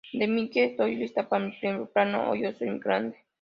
De Mille, estoy lista para mi primer plano" o "Yo "soy" grande.